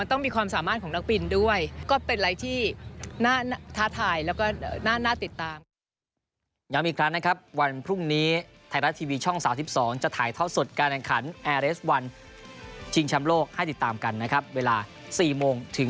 ต้องมีความสามารถของนักบินด้วยก็เป็นอะไรที่น่าท้าทายแล้วก็น่าติดตาม